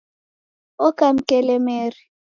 Oka mkelemeri